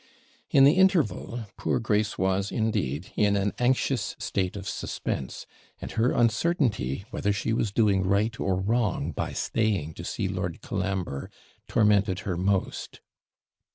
In the interval, poor Grace was, indeed, in an anxious state of suspense; and her uncertainty, whether she was doing right or wrong, by staying to see Lord Colambre, tormented her most.